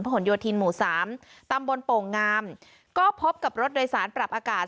ผลห่วงยูทีมหมู่สามตั้มบนโป่งงามก็พบกับรถโดยสารปรับอากาศ